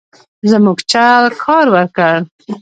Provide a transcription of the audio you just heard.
زموږ چل کار ورکړ.